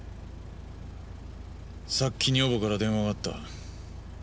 さっき女房から電話があった。